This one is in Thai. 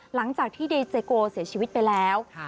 หลังจากที่ดีเจโกเสียชีวิตไปแล้ว